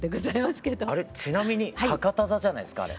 ちなみに博多座じゃないすか？